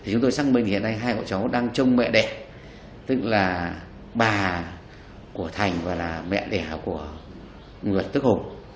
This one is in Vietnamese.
chúng tôi tập trung vào mối quan hệ của cháu hùng